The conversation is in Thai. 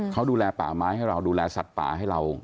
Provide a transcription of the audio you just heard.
เขาดูแลป่าไม้ให้เราดูแลสัตว์ป่าให้เรา